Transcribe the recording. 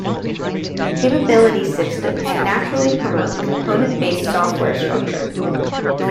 Capability systems naturally promote component-based software structure.